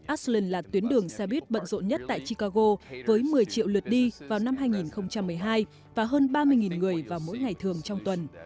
asland là tuyến đường xe buýt bận rộn nhất tại chicago với một mươi triệu lượt đi vào năm hai nghìn một mươi hai và hơn ba mươi người vào mỗi ngày thường trong tuần